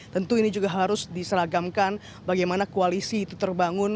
tentu ini juga harus diseragamkan bagaimana koalisi itu terbangun